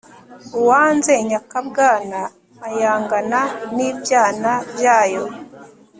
uwanze nyakabwana ayangana n'ibyana byayo